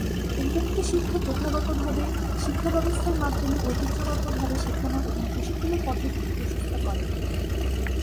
উন্মুক্ত শিক্ষা প্রথাগতভাবে শিক্ষাব্যবস্থার মাধ্যমে ঐতিহ্যগতভাবে শেখানো এবং প্রশিক্ষণের পদ্ধতিকে প্রশস্ত করে।